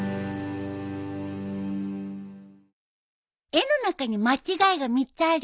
絵の中に間違いが３つあるよ。